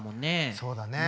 そうだね。